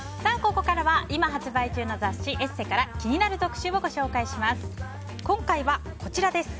ここからは今、発売中の雑誌「ＥＳＳＥ」から気になる特集をご紹介します。